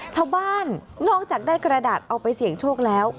ชาวบ้านนอกจากได้กระดาษเอาไปเสี่ยงโชคแล้ว